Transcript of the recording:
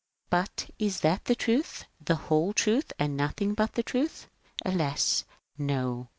But is that the truth, the whole truth, and nothing^ but the truth ? Alas, no